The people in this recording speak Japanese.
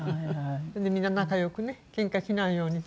でみんな仲良くねケンカしないように。